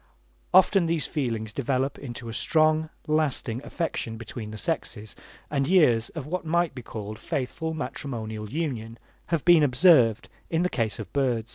Often these feelings develop into a strong, lasting affection between the sexes, and years of what might be called faithful matrimonial union have been observed in the case of birds.